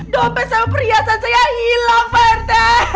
dompet perhiasan saya hilang pak rt